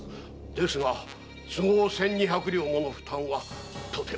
ですが千二百両もの負担はとても。